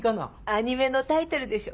アニメのタイトルでしょ？